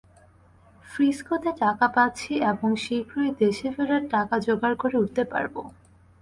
ফ্রিস্কোতে টাকা পাচ্ছি এবং শীঘ্রই দেশে ফেরার টাকা যোগাড় করে উঠতে পারব।